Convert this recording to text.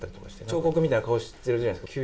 彫刻みたいな顔してるんじゃないですか。